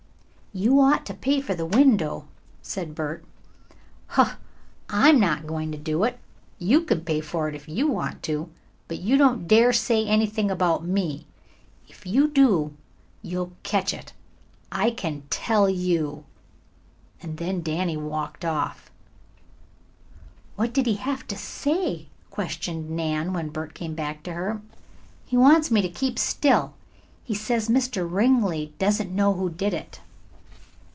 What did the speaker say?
"You ought to pay for the window," said Bert. "Huh! I'm not going to do it. You can pay for it if you want to. But don't you dare to say anything about me! If you do, you'll catch it, I can tell you!" And then Danny walked off. "What did he have to say?" questioned Nan, when Bert came back to her. "He wants me to keep still. He says Mr. Ringley doesn't know who did it."